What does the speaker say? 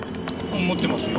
持ってますよ。